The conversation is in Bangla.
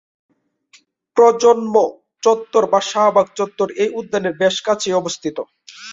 প্রজন্ম চত্বর বা শাহবাগ চত্বর এই উদ্যানের বেশ কাছেই অবস্থিত।